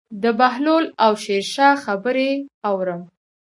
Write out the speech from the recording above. د بهلول او شیرشاه خبرې اورم.